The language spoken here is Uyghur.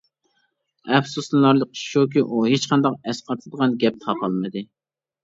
ئەپسۇسلىنارلىق ئىش شۇكى، ئۇ ھېچقانداق ئەسقاتىدىغان گەپ تاپالمىدى.